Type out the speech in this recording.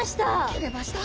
切れました。